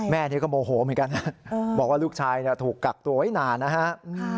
แม่นี้ก็โมโหเหมือนกันนะบอกว่าลูกชายถูกกักตัวไว้นานนะฮะ